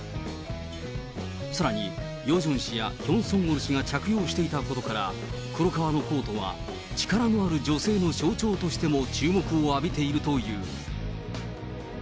さらにヨジョン氏やヒョン・ソンウォル氏が着用していたことから、黒革のコートは力のある女性の象徴としても注目を浴びているという。